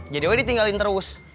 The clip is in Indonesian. jadi kenapa ditinggalin terus